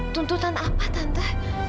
tuntutan apa tante